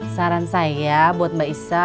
saran saya buat mbak isa